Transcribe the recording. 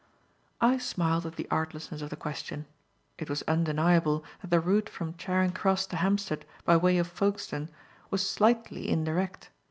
I smiled at the artlessness of the question. It was undeniable that the route from Charing Cross to Hampstead by way of Folkestone was slightly indirect.